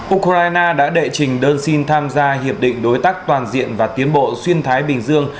ukraine đã đệ trình đơn xin tham gia hiệp định đối tác toàn diện và tiến bộ xuyên thái bình dương